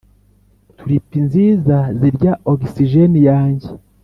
tulipi nziza zirya ogisijeni yanjye.